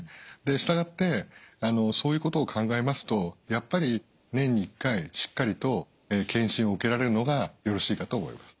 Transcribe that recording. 従ってそういうことを考えますとやっぱり年に１回しっかりと検診を受けられるのがよろしいかと思います。